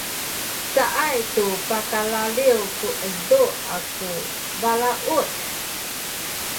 caay tu pakalaliw ku edu atu balaut